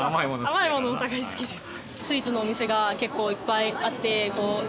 甘いものお互い好きです。